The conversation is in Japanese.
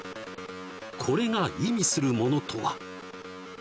これが意味するものとは？